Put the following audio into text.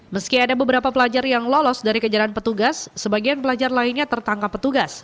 meski ada beberapa pelajar yang lolos dari kejaran petugas sebagian pelajar lainnya tertangkap petugas